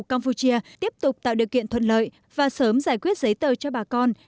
campuchia tiếp tục tạo điều kiện thuận lợi và sớm giải quyết giấy tờ cho bà con